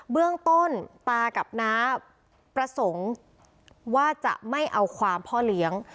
เบื้องต้นตากับน้าประสงค์ว่าจะไม่เอาความพ่อเลี้ยง